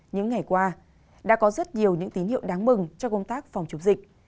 những ngày qua đã có rất nhiều những tín hiệu đáng mừng cho công tác phòng chống dịch